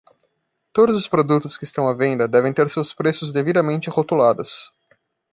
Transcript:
Todos os produtos que estão à venda devem ter seus preços devidamente rotulados.